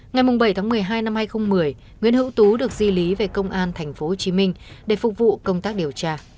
ngày bảy tháng một mươi hai năm hai nghìn một mươi nguyễn hữu tú được di lý về công an tp hcm để phục vụ công tác điều tra